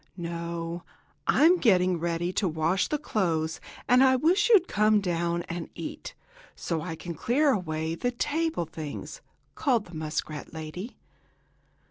"No, I'm getting ready to wash the clothes, and I wish you'd come down and eat, so I can clear away the table things!" called the muskrat lady.